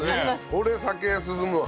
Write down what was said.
これ酒進むわ。